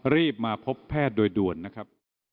รีบมาพบแพทย์โดยด่วนนะครับ